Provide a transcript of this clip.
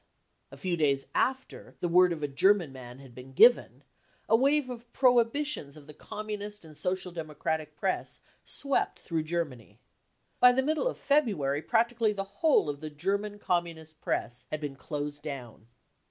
A few days after " the word of a German man " had been given, a wave of prohibitions of the Communist and Social Democratic Press swept through Germany. By the middle of February practically the whole of the German r Communist Press ha d been closed down.